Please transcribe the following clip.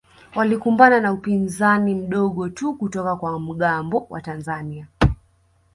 Walikumbana na upinzani mdogo tu kutoka kwa mgambo wa Tanzania